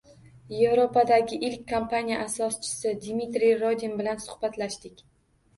Yevropadagi ilk kompaniya asoschisi Dmitriy Rodin bilan suhbatlashdik.